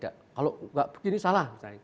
kalau tidak begini salah